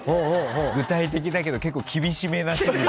具体的だけど結構厳しめな指示。